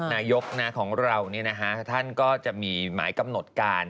นายกของเราท่านก็จะมีหมายกำหนดการ